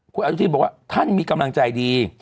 คุณอนุทินบอกว่าท่านมีกำลังใจดี